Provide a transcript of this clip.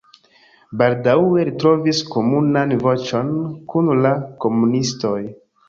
Baldaŭe li trovis komunan voĉon kun la komunistoj.